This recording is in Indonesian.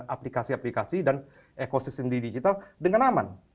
aplikasi aplikasi dan ekosistem di digital dengan aman